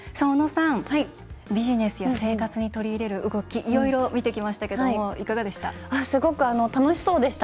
ビジネスや生活に取り入れる動きいろいろ見てきましたけれどもいかがでした？